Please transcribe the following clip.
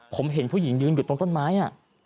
ผมเห็นผู้หญิงยืนอยู่ตรงต้นไม้